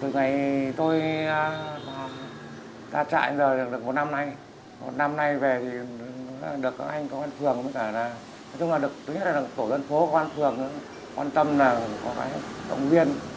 từ ngày tôi ra trại được một năm nay một năm nay về thì được các anh công an phường tổ dân phố công an phường quan tâm là có tổng viên